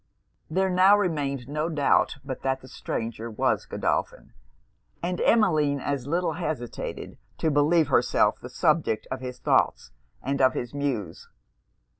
There now remained no doubt but that the stranger was Godolphin; and Emmeline as little hesitated to believe herself the subject of his thoughts and of his Muse.